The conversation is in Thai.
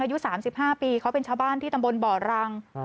อายุ๓๕ปีเขาเป็นชาวบ้านที่ตำบลบ่อรัง